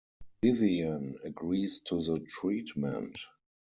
Vivian agrees to the treatment.